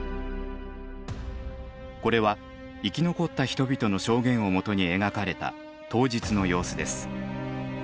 これは生き残った人々の証言をもとに描かれた当日の様子です。